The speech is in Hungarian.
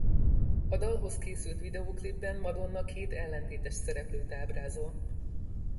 A dalhoz készült videóklipben Madonna két ellentétes szereplőt ábrázol.